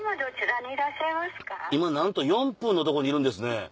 今なんと４分の所にいるんですね。